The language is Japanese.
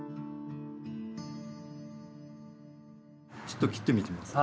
ちょっと切ってみてみます？